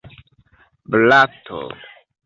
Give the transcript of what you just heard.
blato